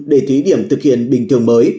để thí điểm thực hiện bình thường mới